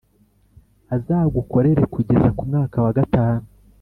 Azagukorere kugeza ku mwaka wa gatanu